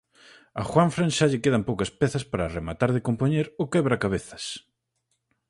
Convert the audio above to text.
A Juanfran xa lle quedan poucas pezas para rematar de compoñer o quebracabezas.